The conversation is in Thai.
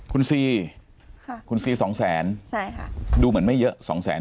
คุณซีคุณซีสองแสนใช่ค่ะดูเหมือนไม่เยอะสองแสน